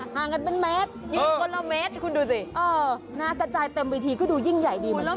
ฮ่างกันเป็นแมทนาต่ายเป็นเติมวิธีก็ดูยิ่งใหญ่ดีมักกัน